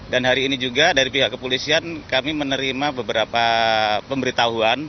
dan hari ini juga dari pihak kepolisian kami menerima beberapa pemberitahuan